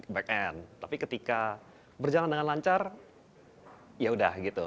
back end tapi ketika berjalan dengan lancar yaudah gitu